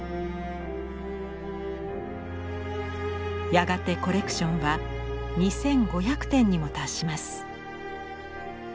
やがてコレクションは２，５００点にも達します。